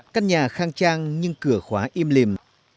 căn nhà khang trang nhưng cửa khóa im lìm